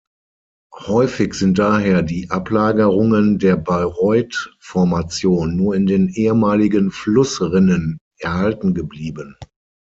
Häufig sind daher die Ablagerungen der Bayreuth-Formation nur in den ehemaligen Fluss-Rinnen erhalten geblieben.